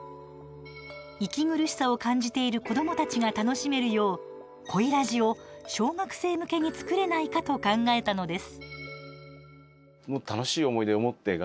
息苦しさを感じている子どもたちが楽しめるよう「コイらじ」を、小学生向けに作れないかと考えたのです。